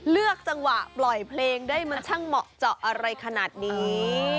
เลือกจังหวะปล่อยเพลงได้มันช่างเหมาะเจาะอะไรขนาดนี้